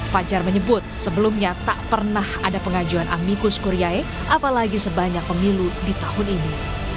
fajar menyebut sebelumnya tak pernah ada pengajuan amikus kuriae apalagi sebanyak pemilu di tahun ini